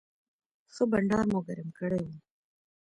ښه بنډار مو ګرم کړی و.